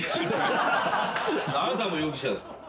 あなたも容疑者ですから。